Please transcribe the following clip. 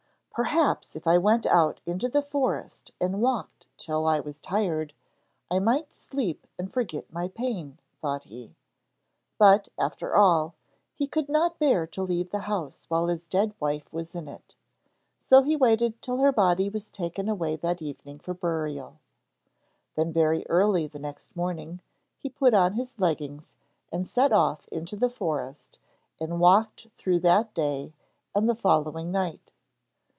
'Perhaps if I went out into the forest and walked till I was tired, I might sleep and forget my pain,' thought he. But, after all, he could not bear to leave the house while his dead wife was in it, so he waited till her body was taken away that evening for burial. Then, very early next morning, he put on his leggings and set off into the forest and walked through that day and the following night.